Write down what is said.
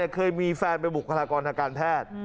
เคยมีแฟนไปบุกธนากรทางการแพทย์